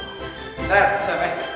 sam sam eh